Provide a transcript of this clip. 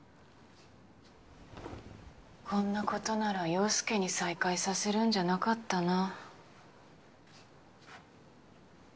こんなことなら陽佑に再会させるんじゃなかったな。